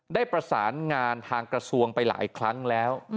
ได้ประสานงานทางกระทรวงไปหลายครั้งแล้ว